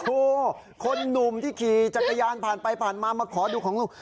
คนหนุ่มที่ขี่จักรยานผ่านไปผ่านมามาขอดูของลุง